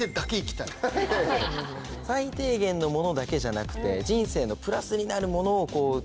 最低限のものだけじゃなくて。